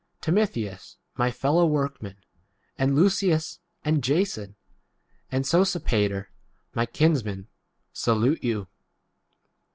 8 21 Timotheus my fellow workman, and Lucius, and Jason, and Sosi pater, my kinsmen, salute you.